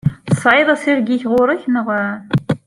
Tesɛiḍ assireg-ik ɣur-k, naɣ?